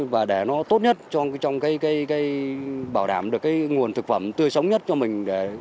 và để nó tốt nhất trong bảo đảm được cái nguồn thực phẩm tươi sống nhất cho mình